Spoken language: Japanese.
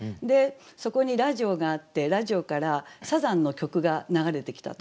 そこにラジオがあってラジオからサザンの曲が流れてきたと。